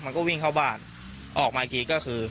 มันก็วิ่งเข้าบ้านออกมาอีกทีก็คือ